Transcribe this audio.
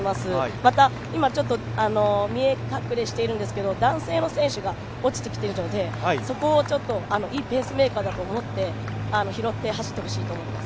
また今見え隠れしているんですけれども、男性の選手が落ちてきているのでそこをいいペースメーカーだと思って拾って走ってほしいと思います。